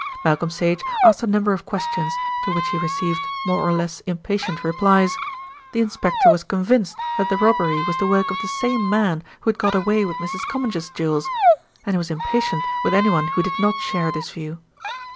Malcolm Sage asked a number of questions, to which he received more or less impatient replies. The inspector was convinced that the robbery was the work of the same man who had got away with Mrs. Comminge's jewels, and he was impatient with anyone who did not share this view.